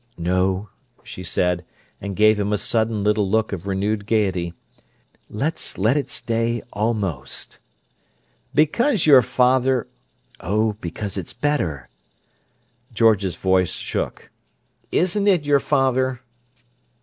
"No," she said, and gave him a sudden little look of renewed gayety. "Let's let it stay 'almost'." "Because your father—" "Oh, because it's better!" George's voice shook. "Isn't it your father?"